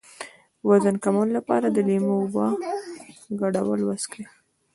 د وزن کمولو لپاره د لیمو او اوبو ګډول وڅښئ